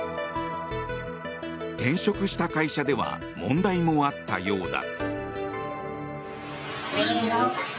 転職した会社では問題もあったようだ。